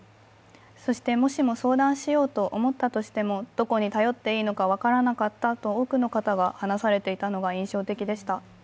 そして、もしも相談しようと思ったとしても、どこに頼っていいのか分からなかったと多くの方が話されていたのが印象的でした。